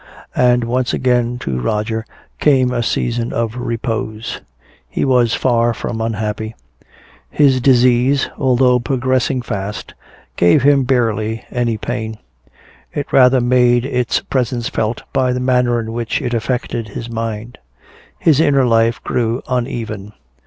And once again to Roger came a season of repose. He was far from unhappy. His disease, although progressing fast, gave him barely any pain; it rather made its presence felt by the manner in which it affected his mind. His inner life grew uneven.